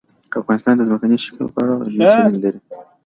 افغانستان د ځمکنی شکل په اړه علمي څېړنې لري.